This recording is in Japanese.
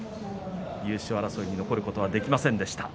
優勝争いに残ることはできませんでした。